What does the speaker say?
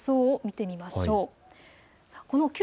風の予想を見てみましょう。